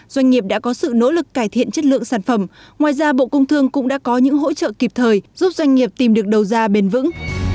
doanh nghiệp đã có sự nỗ lực cải thiện chất lượng sản phẩm ngoài ra bộ công thương cũng đã có những hỗ trợ kịp thời giúp doanh nghiệp tìm được đầu ra bền vững